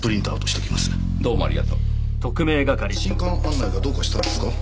新刊案内がどうかしたんですか？